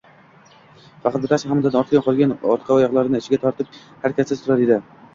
Faqat bittasi hammadan ortda qolgan, orqa oyogʻini ichiga tortib harakatsiz turar edi